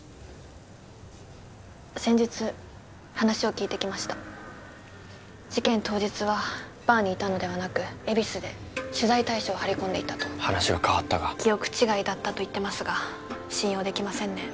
先日話を聴いてきました事件当日はバーにいたのではなく恵比寿で取材対象を張り込んでいたと話が変わったか記憶違いだったと言ってますが信用できませんね